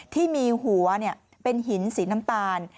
ที่มีหัวเป็นหินสีน้ำตาล